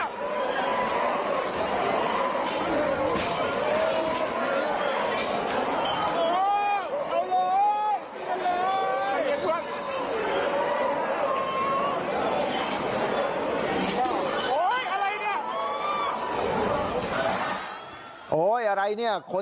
คนกระเจิงกันหมดเลยนะครับเพราะกลัวโดนลูกหลงให้คุณ